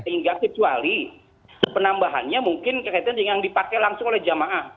hingga kecuali penambahannya mungkin kaitannya dengan dipakai langsung oleh jamaah